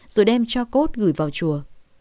rồi đem cho cốt gửi vào chùa